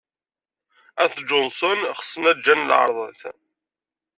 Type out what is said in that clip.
At Johnson xsen aǧa n lɛerḍat.